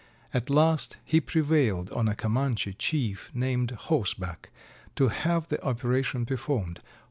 At last he prevailed on a Comanche chief, named 'Horseback' to have the operation performed.